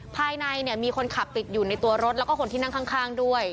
ภายในเนี่ยมีคนขับติดอยู่ในตัวรถแล้วก็คนที่นั่งข้างด้วย